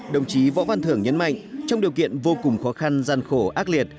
đồng chí võ văn thưởng nhấn mạnh trong điều kiện vô cùng khó khăn gian khổ ác liệt